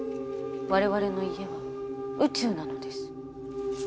我々の家は宇宙なのです。